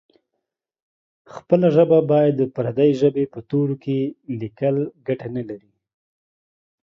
خپله ژبه باید د پردۍ ژبې په تورو کې لیکل ګټه نه لري.